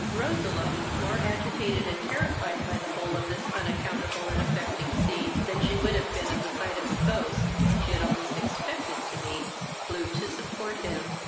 Roseline, more agitated and terrified by the whole of this unaccountable and affecting scene than she would have been at the sight of the ghost she had almost expected to meet, flew to support him.